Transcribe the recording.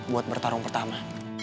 buat bertarung pertama